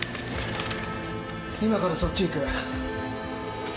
今からそっち行く。